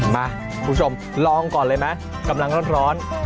มาคุณผู้ชมลองก่อนเลยไหมกำลังร้อน